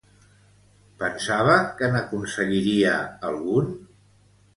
Pensava que n'aconseguiria algun?